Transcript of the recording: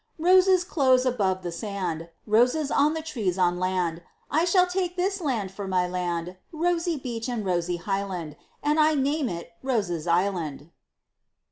Roses close above the sand, Roses on the trees on land, I shall take this land for my land, Rosy beach and rosy highland, And I name it Roses Island.